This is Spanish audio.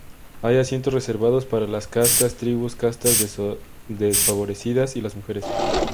Hay asientos reservados para las castas, tribus, castas desfavorecidas y las mujeres.